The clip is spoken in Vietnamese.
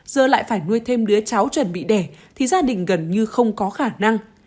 giờ lại phải nuôi thêm đứa cháu chuẩn bị đẻ thì gia đình gần như không có khả năng